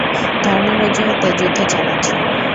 ধর্মের অজুহাতে যুদ্ধ চালাচ্ছো।